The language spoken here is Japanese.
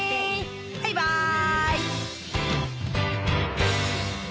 バイバイ！